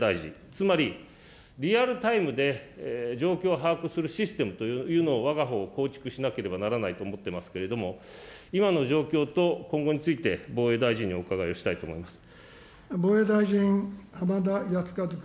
つまり、リアルタイムで状況を把握するシステムというのをわがほう構築しなければならないと思っていますけれども、今の状況と今後について、防衛大臣にお伺いをしたいと思います。